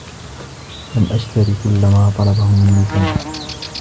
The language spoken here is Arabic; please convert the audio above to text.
لم أشترِ كلّ ما طلبه منّي سامي.